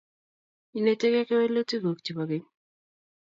inetekei kewelutik kuk chepo keny